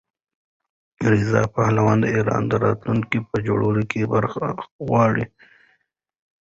رضا پهلوي د ایران د راتلونکي په جوړولو کې برخه غواړي.